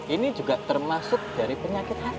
ini juga termasuk dari penyakit lain